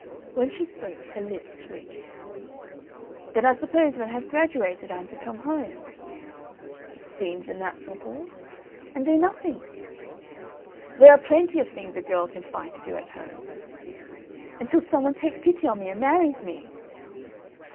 When she spoke, her lips twitched. "Then I suppose when I have graduated I am to come home?" "It seems the natural course " "And do nothing?" "There are plenty of things a girl can find to do at home." "Until some one takes pity on me and marries me?"